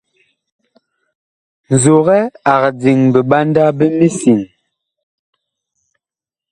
Nzogɛ ag diŋ biɓanda bi misiŋ́.